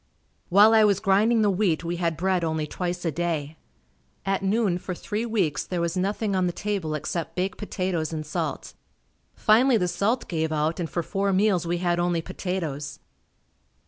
While I was grinding the wheat we had bread only twice a day. At noon, for three weeks, there was nothing on the table except baked potatoes and salt. Finally the salt gave out and for four meals we had only potatoes.